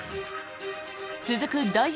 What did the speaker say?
続く第４